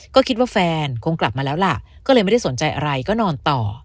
ก็คิดว่าแฟนคงกลับมาแล้วล่ะก็เลยไม่ได้สนใจอะไรก็นอนต่อ